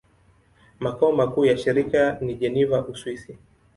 Makao makuu ya shirika ni Geneva, Uswisi.